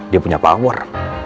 dia punya power